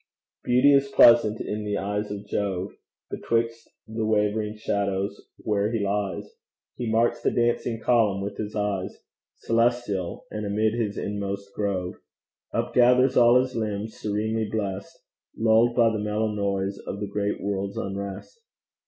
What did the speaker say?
Beauty is pleasant in the eyes of Jove; Betwixt the wavering shadows where he lies He marks the dancing column with his eyes Celestial, and amid his inmost grove Upgathers all his limbs, serenely blest, Lulled by the mellow noise of the great world's unrest.